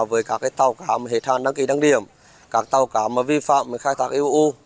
với các tàu cá mà hệ sản đăng ký đăng điểm các tàu cá mà vi phạm khai thác euo